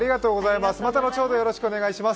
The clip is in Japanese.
またのちほどよろしくお願いします。